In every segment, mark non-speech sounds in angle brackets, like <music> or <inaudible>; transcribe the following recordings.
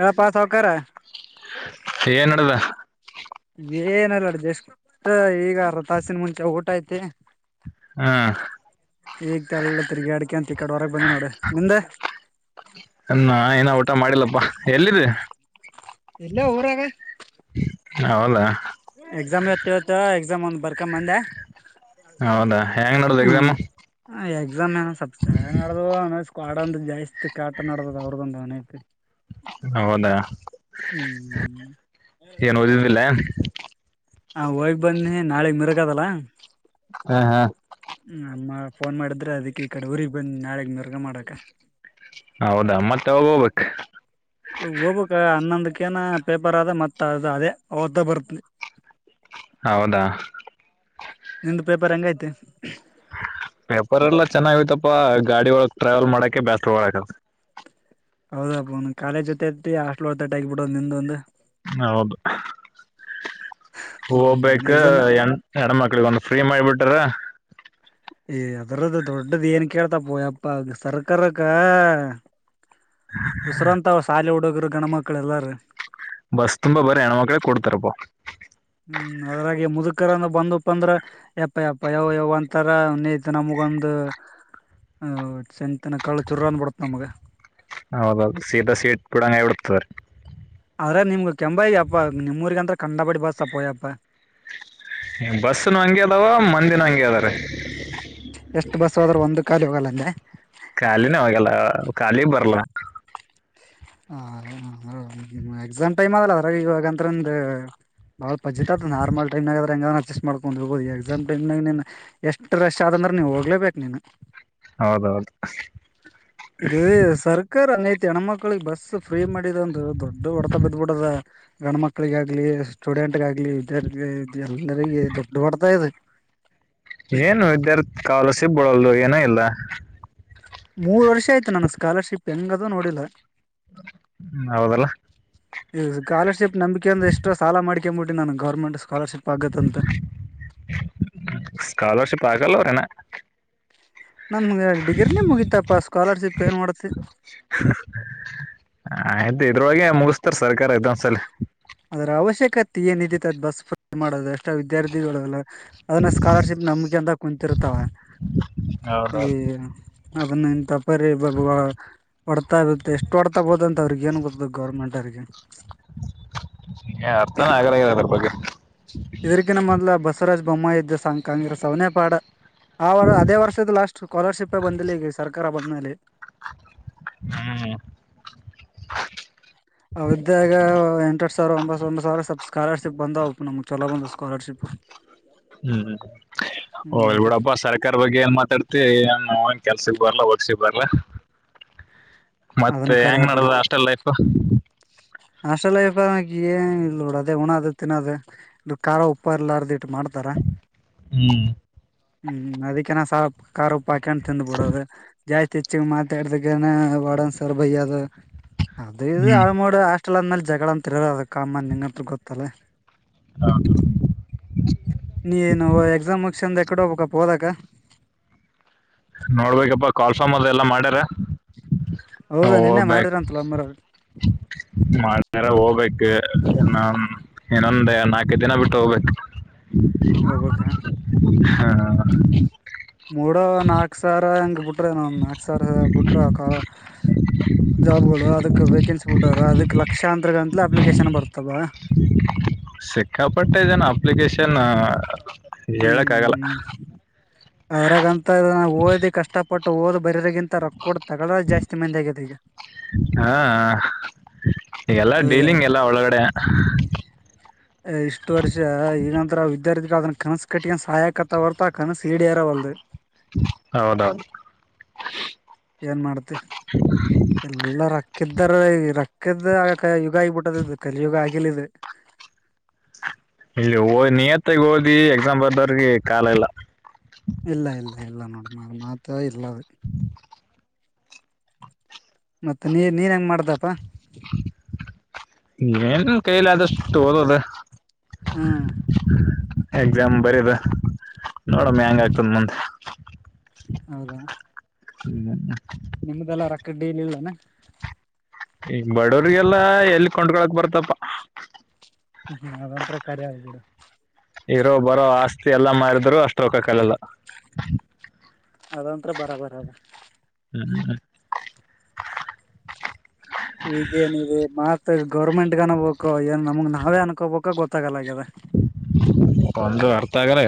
ಎಲ್ಲ ಪಾಸಾವ ಕ ಏನ್ ನಡದ ಏನಲ್ಲ ಅಡ್ದ ಎಷ್ಟ ಈಗ ಅರ ತಾಸಿನ ಮುಂಚೆ ಊಟ ಐ್ತಿ ಹಾ ಈಗ ತಳ್ಳ ತಿರ್ಗಿ ಅಡ್ಕ ಅಂತ ಕಡೆ ಹೊರಗೆ ಬಂದ ನೋಡು ನಿಮ್ದೆ ಎಲ್ಲಿದ್ದ ಎಲ್ಲೇ ಊರಾಗ ಹಲ್ಲಾ ಟ್ತ್ ಎಕ್ಸಾಮ್ ಒಂದ್ ಬರ್ಕೊಂಬಂದೆ ಹೌದಾ ಹೆಂಗ್ ನಡ್ದ ಹ್ಮ ಎಕ್ಸಾಮ್ ಹಾಗ ಜಮ್ಮೇ ಸ ನಡ ಕಾಡಂದು ಜಾಸ್ತಿ ಕಾಟ ನಡದ್ ಅವ್ರದೊಂದ ಹೌದಾ ಹ್ಮ್ ಏನ್ ಓದಿದಿಲ್ಲ ಹ ಹೋಗ್ ಬಂದ್ನಿ ನಾಳೆ ಮಿರಕದಲ್ಲ ಹಾ ಹಾ ಆಮ್ಮ ಫೋನ್ ಮಾಡಿದ್ರೆ ಅದಕ್ಕೆ ಈ ಕಡೆ ಊಗ್ ಬಂದ ನಾಳಗ್ ಮರ್ಗ ಮಾಡಕ ಹೌದಾ ಮತ್ತೆ ಅವಾಗ ಹೋಗ್ಬೇಕ ಹೋಗಬಕ್ ಹನ್ನೊಂದಕೇನಾ ಪೇಪರ್ ಅದ ಮತ್ತ ಅದು ಅದೇ ಅವತ್ತ ಬರ್ತತಿ ಹೌದಾ ಬರಂಗ ಐತೆ ವ್ಯಾಪಾರ ಎಲ್ಲ ಚೆನ್ನಾಗಾಗಿತ ಗಾಡಿ ಒಳ ಟ್ರಾವೆಲ್ ಮಾಡೋಕೆ ಬ್ಯಾಸ್ ಒಳಕ ಹೌದಾಪ್ಪನ್ ಕಾಲಜ ಜೊತೆತಿ ಆಸ್ಟ್ಲ್ ಹೊತ ಆಗ್ಬ ಬಿಡೋ್ ನಿಂದ್ ಒಂದು ಹೌದು ಹ್ಮ್ ಹೋಗ್ಬೇಕ ಎಕ್ಸಾಮ್ ಹೆಣ ಹೆಣ್ಮಕ್ಳಿಗ ಒಂದು ಫ್ರೀ ಮಾಡಿಬಿಟ್ರ ಏ್ ಅದ್ರದ್ದು ದೊಡ್ಡದ ಏನ್ ಕೇಳ್ತಾಪ್ಪಯ್ಯಪ್ಪ ಸರ್ಕಾರಕ್ಕ ಉಸಿರಾಂತ ಶಾಲೆ ಹುಡುಗರು ಗಂಡ ಮಕ್ಕಳ ಎಲ್ಲಾರ ಬಸ್ ತುಂಬಾ ಬರ ಹೆಣ ಮಕ್ಳೇ ಕೊಡ್ತಾರಪ್ಪ ಹ್ಮ್ ಅದ್ರಾಗಿ ಮುದುಕರಂದ ಬಂದಪ್ಪ ಅಂದ್ರ ಯಪ್ಪ ಯಪ್ಪ ಯವಯ ಒಂತರ ನ್ತು ನಮಗೊಂದು ಹ ಸಂತನ ಕಳು ಚುರ ಅಂದ ಬಿಿಡತ್ ನಮ್ಗ ಹೌದ ಸೀತಾ ಸೀಟ್ ಬಿಡಂಗ ಬಿಡ್ತವ್ರ ಅರ ನಿಮ್ಗ್ ಕೆಂಬೈಗ್ಯಪ್ಪಾ ನಿಮ್ಮ ಊರು ಅಂತತ್ರ ಕಂಡ ಪಡಿ ಬಸ್ಸಪ್ಪಯ್ಯಪ್ಪಾ ಬಸ್ನ ಹಂಗಗೆ ಅದಾವ ಮಂದಿನ ಹಂಗಗೆ ಅದಾರೆ ಕಲ ಕಲ್ಲಂದೆ ಖಾಲಿ ಬರ್ಲ ಹ ಎಕ್ಸಾಮ್ ಟೈಮ್ ಅದಲ್ಲ ಅದ್ರ ಇವಾಗಂತ್ರ ಒಂದ ಭಾಳ ಪಜಿತದ ನಾರ್ಮಲ್ ಟೈಮ್ಗದ್ರಂಗ ಸ್ ಮಾಡುಕೊಂಡು ಇರ್ಬೋದು ಈ ಎಕ್ಸಾಮಂ ಟೈಮಾಗ ನೀ ಎಷ್ಟು ರಶ್ ಆದ ಅಂದರೆ ನೀವು ಹೋಗುಲೆಬೇಕು ನೀನು. ಹೌದೌದು <inaudible> ಇದು ಸರ್ಕಾರ ಅನತ. ತೆಣುಮಕ. ಮಕ್ಕಳಿಗೆ ಬಸ್ ಫ್ರೀ ಮಾಡಿದ ಒಂದು ದೊಡ್ಡ ಹೊಡೆತ ಬಿದ್ದು ಬಿಟ್ಟಿದೆ ಗಣ ಮಕ್ಕಳಿಗಾಗಿ ಸ್ಟೂಡೆಂಟ್ಗ ಆಗಲಿ ವಿದ್ಯಾರ್ಥಿಗಳಾಗಲಿ. ಎಲ್ಲರಿಗ ದೊಡ್ಡು ಹೊಡೆತಾ ಇದೆ ಏನು ವಿದ್ಯಾರ್ಥಿ ಕಾಲು ಸಿಗಿಬಿಳುವುದು. ಇನ್ನು ಇಲ್ಲ. ಮೂರು ವರ್ಷ ಆಯ್ತು ನನ್ನ ಸ್ಕಾಲರ್ಶಿಪ್ ಹೆಂಗದು ನೋಡಿಲ್ಲ. ಹ್ಮ ಹೌದಲ್ಲ. ಹ್ಮ ಸ್ಕಾಲರ್ಶಿಪ್. ನಂಬಿಕೆ ಮೇಲೆ ಎಷ್ಟು ಸಾಲ ಮಾಡ. ಹಾಕಿ ಮುಟ್ಟನು ಗಾರ್ಮೆಂಟ್. ಸ್ಕಾಲರ್ಷಿಪ್ ಆಗಲ್ಲ ಅವರನ. ನಮಗೆ ಡಿಗ್ರಿನೆ ಮುಗತಪ್ಪಾ ಸ್ಕಾಲರ್ಶಿಪ್ ಏನ್ ಮಾಡತಿ. ಆಯಿತು ಇದೊರಳಗೆ ಮುಗಿಸುತ್ತಾರೆ ಸರ್ಕಾರ ಇದದೊಂದು ಸಲ ಅದರ ಅವಶ್ಯಕತೆ ಏನು ಇದ್ದೀತು ಬಸ್ ಬುಕ್ ಮಾಡುದು ಎಷ್ಟ ವಿದ್ಯಾರ್ಥಿಗಳೆಲ್ಲ. ಅದನ್ನ ಸ್ಕಾಲರ್ಶಿಪ್ ನಂಬಿಕೆ ಅಂತ ಕುಂತಿರುತಾವ ಈ ಹೌದೌದು ಅದನ್ನ ಇಂತಪರಿ ಬಬುವ. ಹೊಡೆತಾ ಇತ್ತೆ ಎಷ್ಟು ಹೊಡುತಾ ಬೀಳುತ್ತದ ಅಂತ ಅವರಿಗೆ ಏನ್ ಗೊತ್ತ ಗೌರ್ಮೆಂಟ್ ಅವರಿಗೆ. <inaudible> ಏ ಅರ್ಥನ ಆಗಲ್ಲ ಏನು ಅದರ ಬಗ್ಗೆ. ಇದರಿಕಿನ ಮೊದಲು ಬಸರ. <unintelligible> ಬೊಮ್ಮಾಯಿ ಯುದ್ದ್ಧ ಸಂಕ ಕಾಂಗ್ರೆಸ್ ಅವನೇ ಪಾಡ. ಆ ಅದೇ ವರ್ಷದ ಲಾಸ್ಟ್ ಸ್ಕಾಲರ್ಶಿಪ್ ಬಂದಿಲ್ಲ ಈಗ ಸರ್. ಕರಾ ಬನ್ನಾಲಿ. <inaudible> ಉಮ್. ಅವಿದ್ದಾಗ ಎಂಟುವರೆ ಸಾವಿರ ಒಂಬತ್ತು ಒಂದು ಸಾವಿರ ಸಪ. ಸ್ಕಾಲರ್ಶಿಪ್ ಬಂದವಪ್ಪ ನಮಗೆ. <inaudible> ಹ್ಮ್ ಹ್ಮ್ ಅದು ಹೋಗಲಿಬಿಡಪ್ಪ ಸರ್ಕಾರ ಬಗ್ಗೆ ಏನ್ ಮಾತಾಡುತ್ತಿ. ಕೆಲಸಕ್ಕೆ ಬರೋಲ್ಲ ವರುಷಕ್ ಬರೋಲ್ಲ. ಅದನ್ನ ಮತ್ತೆ ಕರಿ ಹೆಂಗ್ ಆಗ್ಬಿಡು ಮಾಡಡದ ಹಾಸ್ಟೆಲ್ ಲೈಫ್. ಹಾಸ್ಟೆಲ್ ಲೈಫ ಏನ್ ಇಲ್ ನೋ ಅದೇ ಉಣ್ಣೋದು ತಿನ್ನೋದ ಖಾರ ಉಪ್ಪ ಇರುಲಾರದು. ಮಾಡುತ್ತಾರ. ಹ್ಮ್ ಹ್ಮ್ ಅದಕ್ಕೆನ ಸಾಬ್ ಕಾರು. ಪಾಕಂಡ್ ತಿಂದು ಬಿಡೋದು. ಜಾಸ್ತಿ ಹೆಚ್ಚಗೆ ಮಾತಾಡ್ದಾಗನ ವಾಡನ್ ಸರ್ ಬಯ್ಯದರು. ಹ್ಮ್ ಆಳಮೋಡ ಆ ಮಕ್ಳ್ ಅಂದ ಮೇಲೆ ಜಗಳ ಅಂತ ಇರೋ ಅದ ಕಮ್ಮ ನಿಂಗಂತತ್ರ ಗೊತ್ತಲ್ಲ ಹೌದು ನೀಏನುವು ಎಕ್ಸಾಮ್ ಮುಕ್ಷಂದ ಎಕಡೋ ಒ ಪೋದಕ ನೋಡ್ಬೇಕಪ್ಪಾ ಕಾಲ್ಫಾರಾಮ್ ಅದ ಎಲ್ಲ ಮಾಡ್ಯಾರ ನಾ ಹೌದಾ ನಿನ್ನೆ ಹೋಗ್ಬೇಕ್ ಮಾಡಿರಂತಲ ಮರ ಮಾದೆರಾ ಹೋಗ್ಬೇಕು ನನ್ ಇನ್ನೊಂದೇ ನಾಲ್ಕು ದಿನ ಬಿಟ್ಟು ಹೋಗ್ಬೇಕು ಹೋಗ್ಬೇಕಾ ಹ <inaudible> ಮೂಡೋ ನಾಕು ಅಕ್ಸಾರ ಹೆಂಗ ಬಿಟ್ರ ಏನ ಅಕ್ಸಾರ್ ಬಿಟ್ರ ಜಾಬ್ ಗಳು ಅದಕ್ ವೇಕೆನ್ಸಿ ಬಿಟ್ಟಾರ ಅದಕ್ ಲಕ್ಷಾಂತರಂತಲ ಅಪ್ಲಿಕೇಶನ್ ಬರ್ತವೆ ಹ ಹ್ಮ್ ಹ್ಮ್ ಅದ್ರಾಗಂತ ಇದ ಓದಿ ಕಷ್ಟಪಟ್ಟು ಓದ್ ಬರ್ಯಗಿಂತ ಹಾ ಹಾ ಎಲ್ಲ ಡೀಲಿಂಗ್ ಎಲ್ಲ ಒಳಗಡೆ <inaudible> ಇಷ್ಟು ವರ್ಷ ಇಗಂತ್ರ ವಿದ್ಯಾರ್ಥಿ ಈಗ ಕನಸು ಕಟ್ಕಡ್ ಸಾಯ ಕತ್ತ ವರ್ತಾ ಕನಸು ಈಡೇರವಲ್ದು ಹೌದೌದು ಏನ್ ಮಾಡ್ತಿ ಎಲ್ಲ ರೊಕ್ಕಿದ್ದಾರ ರಕ್ಕ ಕದ ಆಗ ಯುಗ ಆಗ್ಿಬಿಟ್ಟದ ಕಲ್ಲಿ ಯುಗ ಆಗಿಿಲ್ಲಿದು ಇಲ್ಲಿ ಓದ್ ನಿಯತ್ತಗ್ ಓದಿ ಎಕ್ಸಾಮ್ ಬರ್ದವ್ರಿಗೆ ಕಾಲ ಇಲ್ಲ ಇಲ್ಲ ಇಲ್ಲ ಇಲ್ಲ ನಂಗ್ ನಂಗ್ ಮಾತ್ರ ಇದೆ <inaudible> ಮತ್ತೆ ನೀ ನೀನ್ ಹೆಂಗ ಮಾಡ್ದಪ್ಪಾ <inaudible> ಏನ್ ನನ್ ಕೈಲಿ ಆದಷ್ಟು ಓದದು ಹ್ಮ್ ಎಕ್ಸಾಮ್ ಬರಿಬೇಕ್ ನೋಡಮ್ಮ ಹೆಂಗ ಆಗ್ತದ ಮುಂದೆ ಹೌದಾ <unintelligible> ನಿಮ್ದಲ್ಲ ರಕ್ಕಡ್ಡಿಲಿ ಇಲ್ಾನ ಈ ಬಡವಿಗೆಲ್ಲ ಎಲ್ಲಿ ಕೊಂಡಕೊಳಕ್ ಬರ್ತಪ ಹ್ಮ ಹ್ಮ ಅದೊಂತತ್ರ <unintelligible> ಬುಡು ಇರೋ ಬರೋ ಆಸ್ತಿ ಎಲ್ಲಾ ಮಾರಿದ್ರರು ಅಷ್ಟ ರೊಕ್ಕ ಕಲಿಯಲ್ಲ ಅದಂತ್ರ ಬರ ಬರ ಅದ ಹ ಗೌರ್ಮೆಂಟ್ ಅನ್ಬಬೇಕೋ ಏನ್ ನಮಗ್ ನಾವೇ ಅನ್ಕೋಬೇಕೋ ಗೊತ್ತಾಗಲ್ಲ ಒಂದು ತಗರ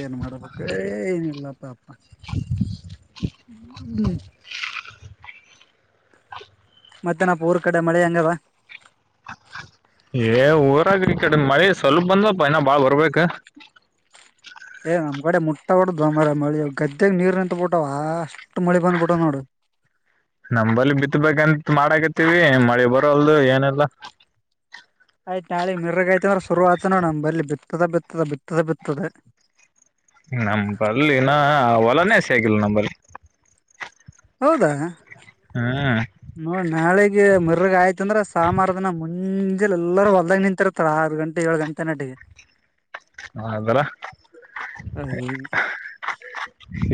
ಏನ್ ಮಾಡಬೇಕಕ್ ಏನಿಲ್ಲಪ್ಪಾಪ ಹ್ಮ್ ಮತ್ತೆ ನಾ ಪ ಪೂರ್ ಕಡೆ ಮಳೆ ಹೆಂಗಾದ ಏ ಊರಾಗ ಈ ಕಡೆ ಮಳೆ ಸ್ವಲ್ಪ ಬಂದಪ್ಪ ಇನ ಬಾಳ್ ಬರ್ಬೇಕ ಏ್ ನಮ್ಗಡೆ ಮುಟ್ಟ ಹೊಡ್ದು ಅರ ಮಳಿ ಗದ್ದೆಗ್ ನೀರ್ ನಿತ್ ಬಿಿಟ್ಟ ಅಷ್ಟು ಮಳಿ ಬಂದ್ಬಿಟ್ಟಾವ್ ನೋಡು ನಮಂಬಲ್ಲಿ ಬಿತ್ತಬೇಕಂತ ಮಾಡಾಕತ್ತವಿ ಮಳೆ ಬರೋ ಅಲ್ದು ಏನೆಲ್ಲ ಆಯ್ತು ನಾಳಗ್ ಮಿರ್ಗಾಯ್ತ ಅಂದ್ರ ಶುರು ಆತ ನೋಡ ನಮ ಬರಲಿ ಬಿತ್ತದ ಬಿತ್ತದ ಬಿತ್ತದ ಬಿತ್ತದೆ ನಮಂಬಲ್ಲಿಿನ ಹೊಲನೆ ಹಸಿಯಾಗಿಲ್ಲ ನಂಬಲಿ ಹೌದಾ ಹ್ಮ್ ನೋಡಿ ನಾಳೆ ಗೆ ಮರಗ ಆಯ್ತಂದ್ರ ಸಾಮಾರ ದನ ಮುಂಜೆಲಿ ಎಲ್ಲಾರ ಹೊಲ್ದಾಗ ನಿಂತಿರತಾರ ಆರ್ ಗಂಟೆ ಏಳ ಗಂಟೆ ನಟಿಗೆ ಅದರ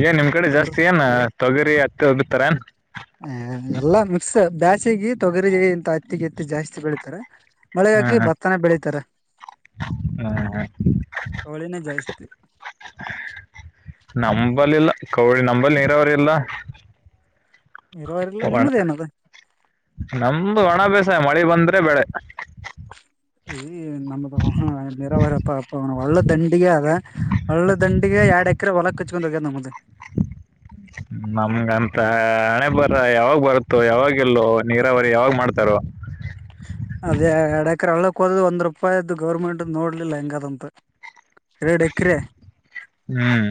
ಏನ್ ನಿಮ್ ಕಡೆ ಜಾಸ್ತಿ ಏನ್ ತೊಗರಿ ಅತ್ತೆ ಹೋಗತಾರ ಏನ್ ಹೆಚ್ಚಿಗ್ಗಿ ತೊಗರಿ ಇಂತ ಅ ಹತ್ತಿ ಗಿತ್ತಿ ಜಾಸ್ತಿ ಬೆಳೀಿತಾರ ಮಳೆಗ ಹಾಕಿ ಭತ್ತನ ಬೆಳಿತಾರೆ ಹ ಕವಳಿನ ಜಾಸ್ತಿ ನಂಬಲ್ಲಿಲ್ಲ ಕೌಳಿ ನಂಬಲ್ಲಿ ನೀರಾವರಿ ಇಲ್ಲ ನೀರಾವರಿಲ್ಲ ನಿಮ್ದ ಏನದ ನಮ್ದು ಒಣಭ್ಯಾಸ ಮಾಡ ಮಳೆ ಬಂದ್ರೆ ಬೆಳೆ ಹ್ಮ್ ಈ ನಮ್ದು ನಿರಾವರಪ್ಪ ಅಪ್ಪ ಒಳ್ಳ ದಂಡಿಗೆ ಅದ ಒಳ್ಳ ದಂಡಿಗೆ ಎರಡ್ ಎಕರೆ ಹೊಲ ಹಚ್ಕೊಂಡ್ ಹೋಗ್ಯದ ನಮ್ದ ನಮ್ಗಂತ ಹಣೆ ಬರ ಯಾವಾಗ ಬರುತ್ತೋ ಯಾವಾಗ ಇಲ್ಲೋ ನೀರಾವರಿ ಯಾವಾಗ್ ಮಾಡ್ತಾರ ಹ ಅದೇ ಎರಡ್ ಎಕರೆ ಹೊಲಕ್ಕ ಹೋದ ಒಂದ್ ರೂಪಾಯಿ್ದು ಗೌರ್ಮೆಂಟ್ ನೋಡ್ಲಿಲ್ಲ ಹೆಂಗದಂತ ಎರಡ್ ಎಕರೆ ಹ್ಮ್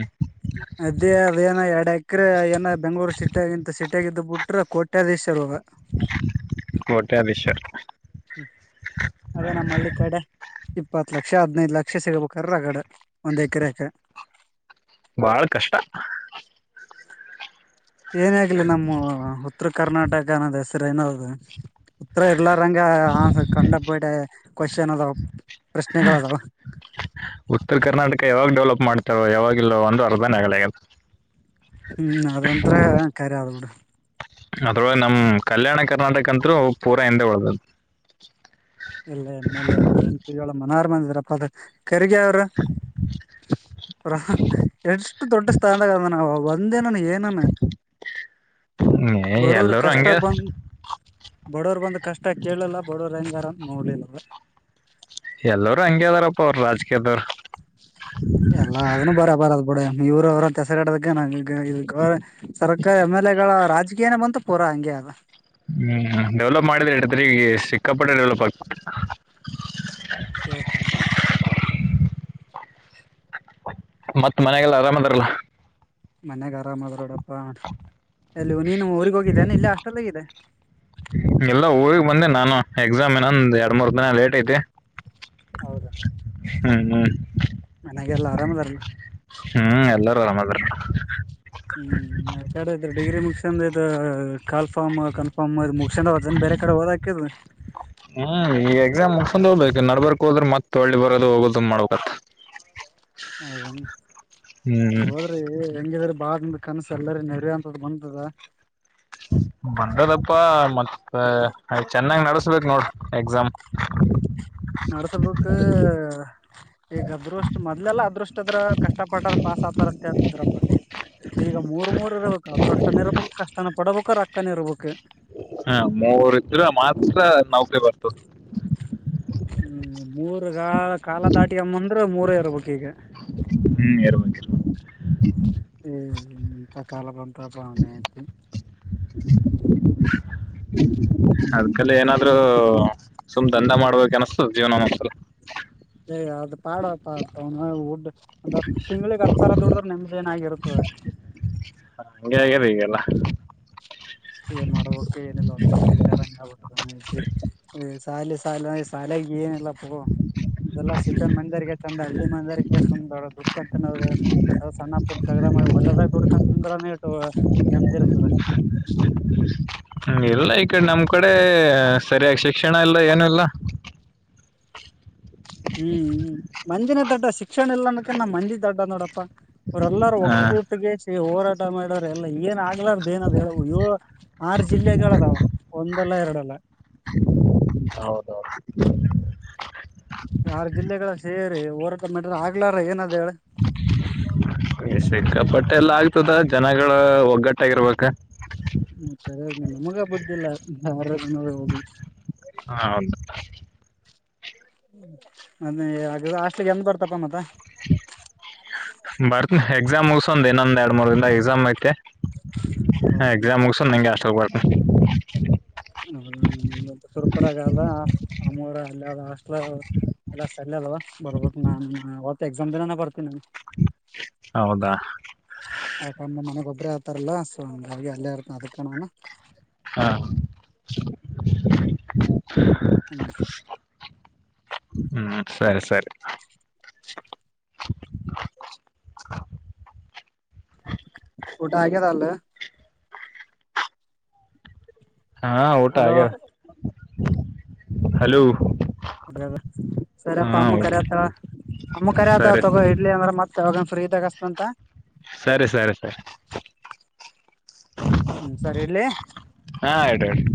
ಅದೇ ಅದೇನ ಎರಡ್ ಎಕರೆ ಏನ ಬೆಂಗಳೂರು ಸಿಟಿಗಂತ ಸಿಟಿಯಾಗಿದ್ದ ಬಿಟ್ರೆ ಕೋಟ್ಯ ದೇಶರ್ಾಗ ಕೋಟ್ಯಾಧೀಶ ಹ್ಮ್ ಅದ ನಮ್ಮ ಹಳ್ಳಿ ಕಡೆ ಇಪ್ಪತ್ ಲಕ್ಷ ಹದ್ನೈದ್ ಲಕ್ಷ ಸಿಗಬೇಕಾರ ರಗಡ ಒಂದ್ ಎಕರೆಕ ಬಾಳ್ ಕಷ್ಟ ಏನ ಆಗ್ಲಿ ನಮ್ಮ ಉತ್ತರ ಕರ್ನಾಟಕ ಅನ್ನೋದೆಸ ಸರನಾದ ಉತ್ತರ ಇರ್ಲಾರಂಗ ಕಂಡ ಬೇಡ ಕ್ವಶನ್ ಅದಾವ ಪ್ರಶ್ನೆಗಳ ಅದಾವ ಮಾಡ್ತಾರ ಯಾವಾಗಿಲ್ಲೋ ಒಂದು ಅರ್ಥನೇ ಆಗ್ಯದ ಹ್ಮ್ ಅದಂತತ್ರ ಕರಿ ಆದ್ ಬಿಡು ಅದ್ರೊಳ ನಮ್ ಕಲ್ಯಾಣ ಕರ್ನಾಟಕ ಅಂತರು ಪೂರ ಹಿಂದು ಒಳ್ಳದದು ಎಲ್ಲ ಎಮ್ಮೆಲೆಳ ಮನೋರ ಬಂದರ ಕದ ರ್ಗೆ ಅವ್ರ ಎಷ್ಟು ದೊಡ್ಡ ಸ್ಥಾನದಾಗ ಅದ ನಾವವುಬ ಅಂದನ ಏನ ಬಡವರು ಎಲ್ಲರೂ ಕಷ್ಟ ಹಂಗೆ ಬಂದ ಬಡವರು ಬಂದ ಕಷ್ಟ ಕೇಳಲ್ಲ ಬಡವರಾರ ನೋಡಿಲ್ಲ ಎಲ್ಲರೂ ಹಂಗಗೆದಾರಪ್ಪ ಅವ್ರ ರಾಜಕೀಯದವರು ಡ ಇವ್ರರು ಅವ್ರ ಹೆಸಗಡದ ನ ಸರ್ಕಾರ ಎಮ್ ಎಲ್ ಎಗಳ ರಾಜಕೀಯನೇ ಬಂತು ಪೂರಾ ಹಂಗೆ ಅದ ಹ್ಮ್ ಡೆವಲಪ್ ಮಾಡಿದ್ರಿ ಇದ್ರೀ ಈಗ ಸಿಕ್ಕಾಪಟ್ಟೆ ಡೆವಲಪ್ ಆಗ್ತ ಕೇಳ್ತಾನ ಮತ್ತ್ ಮನೆಗೆಲ್ಲ ಆರಾಮದಾರಲ್ಲ ಮನ್ಯಗೆ ಆರಾಮ್ ಆದದ್ರೊಡ ಹಾ ಎಲ್ಲಿ ನೀನು ಊರಿಗೆ ಹೋಗಿದ್ದೇನೆ ಇಲ್ಲ ಅಷ್ಟಲ್ಲಿದೆ ಎಲ್ಲ ಊರಿಗ್ ಬಂದೆ ನಾನು ಎಕ್ಸಾಮ್ ಏನೊಂದ್ ಎರಡ್ ಮೂರ್ ದಿನ ಲೇಟ್ ಐತಿ ಹೌದ ಹ್ಮ ಹೌ ಮನ್ಯಾಗೆಲ್ಲ ಆರಾಮದಾರಲ್ಲ ಹ್ಮ್ ಎಲ್ಲಾರು ಆರಾಮದಾರ ಹ್ಮ್ ಚಡ ಡಿಗ್ರಿ ಮುಗಸಂದ ಇ ಕಾಫಮ್ ಕನ್ಫರ್ಮ್ ಮುಕ್ಷೆ ಬೇ ಈ ಕಡೆ ಹೋದಾಕದ ಹ್ಮ್ ಈ ಎಕ್ಸಾಮ ಮುಗಿಸಿಕೊಂಡು ಹೋಗ್ಬೇಕು ನಡ್ಬರ್ಕ್ ಹೋದ್ರ ಮತ್ತತ್ ಒಳ್ಳೆ ಬರೋದು ಹೋಗದ ಮಾಡ್ಕತ್ ಹೌದ ಹೋದ್ರಿ ಹೆಂಗಿದ್ರ ಬಾ ಕನಸ ಎಲ್ಲರ ನೆಡೆ ಅಂತದ್ ಬಂದಂತದ ಬಂಗರಪ್ಪ ಮತ್ತೆ ಅಯ ಚೆನ್ನಾಗ್ ನಡೆಸ್ಬೇಕು ನೋಡ್ರಿ ಎಕ್ಸಾಮ್ ನಡ್ಸ್ಬೇಕಕ್ ಈಗ ಅದ್ರಷ್ಟ ಮೊದ್ಲೆಲ್ಲಾ ಅದ್ರಷ್ಟ ಅದ್ರ ಕಷ್ಟ ಪಟ್ಟಾರ ಪಾಸ್ ಆತಾರ ಅಂತ ಹೇಳ್ತದ್ರಪ್ಪ ಈಗ ಮೂರ್ ಮೂರ್ ಇರ್ಬೇಕು ಅದ್ರಷ್ಟನ ಇರ್ಬೇಕು ಕಷ್ಟನ ಪಡ್ಬೇಕ ರ ಅಕ್ಕನಿರ್ಬೇಕು ಹಾ ಮೂರುರ ಮಾತ್ರ ನೌಕರಿ ಬರ್ತದೆ ಹ್ಮ್ ಮೂರಾ ಇರಬೇಕು ಹ್ಮ್ ಎರರ ಹ ಹ್ಮ ಅಂತ ಕಾಲ ಬಂತ ಬಾವನ ತಿ ಅದ್ಕಲ್ಲಿ ಏನಾದ್ರು ಸುಮ್ ದಂದ ಮಾಡ್ಬೇಕ ಅನ್ಸ್ತದ ಜೀವನ ಒಂದ್ಸಲ ಯ ಅದ್ ಪಾಡಪ್ಪ ುಡ್ ಅಂದ ತಿಂಗ್ಳಿಗೆ ಹತ್ತು ಸರ ದುಡ್ದ್ರ ನಿಮ್ದ್ ಏನ ಆಾಗಿರುತ್ತೆ ಹ ಹ ಹಂಗಗೆ ಹಾಗ್ಯಾರ ಈಗೆಲ್ಲ ಏನ್ ಮಾಡ್ಬೇಕು ಏನಿಲ್ಲ ಒಂದು ತಿಳಿಯರಂಗ ಆಗ್ಬಬೇಕ ಮ ಸಾಲ ಸಾಲ ಸಾಲ ಗನ ಎಲ್ಲ ಹೋ ಇದೆಲ್ಲಾ ಸೀತನ್ ಮಂದರಿಗೆ ಚಂದ ಹಳ್ಳಿ ಮಂದಜರಿಗೆುೊಡ ಹಡ್ಕಂತನ ಅ ಸಣ್ಣ ಪುಟ್ಟ ದಗ ಮಾಡಿದ ತಂದ್ರಾನೇ ಇಟ್ಟು ನೆಮದಿ ಇರ್ತದೆ <inaudible> ಹ್ಮ ಎಲ್ಲ ಈ ಕಡೆ ನಮ್ ಕಡೆ ಸರಿಯಾಗಿ ಶಿಕ್ಷಣ ಇಲ್ಲ ಏನು ಇಲ್ಲ ಹ್ಮ್ ಹ್ಮ್ ಮಂಜಿನೇ ದೊಡ್ಡ ಶಿಕ್ಷಣ ಇಲ್ಲನಕ ನ್ ಮಂಜಿ ದೊಡ್ಡ ನೋಡಪ್ಪಾ ಅವರೆ ಎಲ್ಲಾರ ಒಕ್ಕೂಟಗೆ ರ ಮಾಡ ಎಲ್ಲ ಏನ್ ಆಗ್ಲಾರ್ದು ಏನದ ಹೇಳ ಏಳ ಆರ್ ಜಿಲ್ಲೆಗಳದಾವ ಒಂದಲ್ಲ ಎರಡಲ್ಲ <inaudible> ಯಾರ ಜಿಲ್ಲೆಗಳ ಸೇ <unintelligible> ಮಟ್ರ ಆಗ್ಲಾರ ಏನದ ಹೇಳ ಸಿಕ್ಕಾಪಟ್ಟೆ ಎಲ್ಲಾ ಆಗ್ತದ ಜನಗಳ ಒಗ್ಗಟ್ಟಗರ್ಬೇಕ ಮತ್ತ ಅದ ನಮಗ ಬುದ್ದಿಲ್ಲ ಯಾರ ಜನ ಹೋಗ್ಲಿ ಹೌದು ಅದ ಆಸ್ಲಿಿಗೆ ಎಂದ್ ಬರ್ತಪ್ಪ ಮತ್ತ ಬರ್ತ ಎಕ್ಸಾಮ್ ಮುಗಿಸಿಕೊಂಡ ಇನ್ನೊಂದ ಎರಡ್ ಮೂರ್ಿಂದ ಎಕ್ಸಾಮ್ ಐತೆ ಹ ಎಕ್ಸಾಮ್ ಮುಗಸನ್ ನಿಂಗೆ ಅಷ್ಟ <unintelligible> ಹೌ ಸುರ್ಪರಾಗದ ಅಮ್ಮೂರ ಅಲ್ಲದ ಅಷ್ಟಲ ಎಲ್ಲ ಅಲ್ಲ ಅಲ್ವ ಬರ್ಬಟ್ಟು ನಾನ್ ಎಕ್ಸಾಮ್ ದಿನನ ಬರ್ತ ಹೌದಾ ಯಕ ಮನೆ <inaudible> ಆತಾರಲ್ಲ ಸೊೆ ಅಲ್ಲೇ ಇರ್ತ ಅದ ಕ ಹಾ <inaudible> ಹ್ಮ್ ಸರಿ ಸರಿ ಊಟಾ ಆಗ್ಯಾದಲ್ ಹಾ ಊಟ ಹಲೋ ಹಾಗ್ಯಾರ ಹಲೋ ಹಡ್ಗದ ಹಾ ಸರಿಪ್ಪಾ ಅಮ್ಮ ಊಟ ಕರಿತ ಅಮ್ಮ ಕರಿ ಆತವ ಸರಿ ತಗೋ ಇಡ್ಲಿ ಅಂದ್ರ ಮತ್ತೆ ಯಾವಾಗ ಫ್ರೀದಗಷ್ಟ ಅಂತ ಸರಿ ಸರಿ ಸರಿ ಹ್ಮ ಸರಿ ಇಲ್ಲ ಹಾ ಇಡು ಇಡು